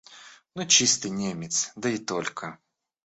Ну чистый немец, да и только!